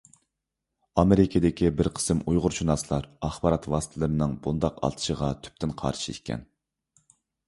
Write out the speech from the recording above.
ئامېرىكىدىكى بىر قىسىم ئۇيغۇرشۇناسلار ئاخبارات ۋاسىتىلىرىنىڭ بۇنداق ئاتىشىغا تۈپتىن قارشى ئىكەن.